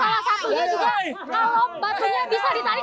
salah satunya juga kalau batunya bisa ditarik